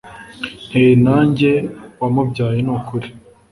nteye nanjye wamubyaye nukuri